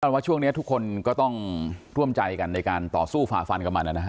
ว่าช่วงนี้ทุกคนก็ต้องร่วมใจกันในการต่อสู้ฝ่าฟันกับมันนะฮะ